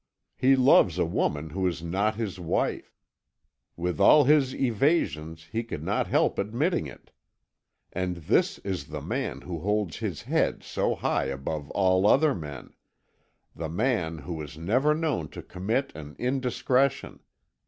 He loves a woman who is not his wife; with all his evasions he could not help admitting it. And this is the man who holds his head so high above all other men the man who was never known to commit an indiscretion!